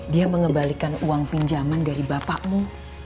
dia mengembalikan uang pinjaman dari bapakmu